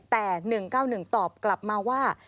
แต่๑๙๑ตอบกลับมาว่า